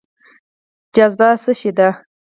جاذبه څه شی دی؟